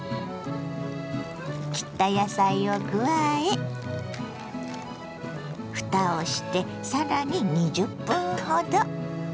切った野菜を加えふたをしてさらに２０分ほど。